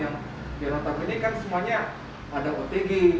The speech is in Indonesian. yang di rota bini kan semuanya ada otg